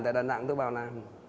tại đà nẵng tôi bảo là